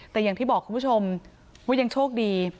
แต่อย่างที่บอกคุณผู้ชมว่ายังโชคดี